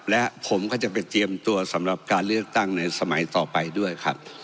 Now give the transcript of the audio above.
และผมก็จะไปเตรียมตัวสำหรับการเลือกตั้งในสมัยต่อไปด้วยครับ